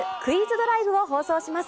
ドライブを放送します。